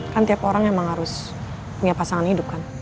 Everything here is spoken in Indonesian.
kan tiap orang emang harus punya pasangan hidup kan